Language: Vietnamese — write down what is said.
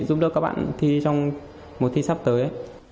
giúp đỡ các bạn thi trong mùa thi sắp tới